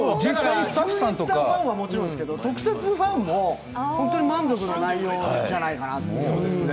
純烈ファンももちろんだけど特撮ファンも本当に満足な内容じゃないかなと思って。